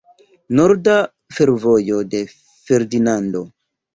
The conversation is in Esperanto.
Norda fervojo de Ferdinando.